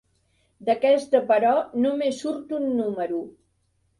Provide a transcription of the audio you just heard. D'aquesta, però, només surt un número.